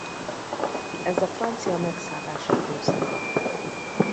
Ez a francia megszállás időszaka.